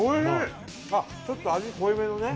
あっちょっと味濃いめのね